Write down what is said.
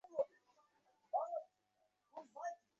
বসন্ত রায় বিষম অস্থির হইয়া উঠিলেন।